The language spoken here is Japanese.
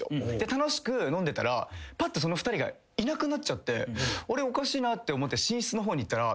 楽しく飲んでたらぱってその２人がいなくなっちゃってあれおかしいなって思って寝室の方に行ったら。